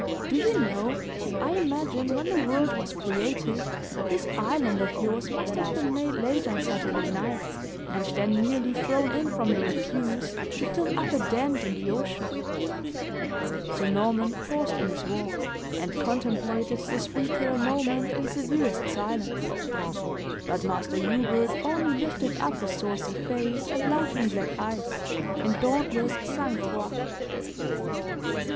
Do you know, I imagine when the world was created, this island of yours must have been made late on Saturday night, and then merely thrown in from the refuse to fill up a dent in the ocean." Sir Norman paused in his walk, and contemplated the speaker a moment in severest silence. But Master Hubert only lifted up his saucy face and laughing black eyes, in dauntless sang froid.